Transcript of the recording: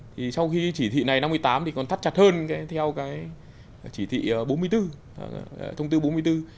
thì sau khi chỉ thị này năm mươi tám thì còn thắt chặt hơn theo cái chỉ thị bốn mươi bốn thông tư bốn mươi bốn